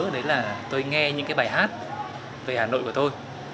đó là tôi nghe những bài hát về hà nội của tôi